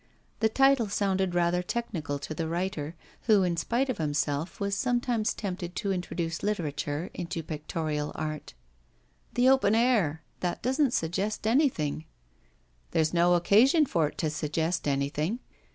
The title sounded rather technical to the writer, who, in spite of himself, was sometimes tempted to introduce literature into pictorial art. 'The Open Air! that doesn't suggest anything.' 'There is no occasion for it to suggest anything.